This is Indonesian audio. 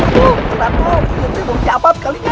ini teh bau cabat kalinya